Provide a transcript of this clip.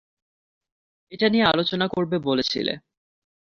এটা নিয়ে আলোচনা করবে বলেছিলে।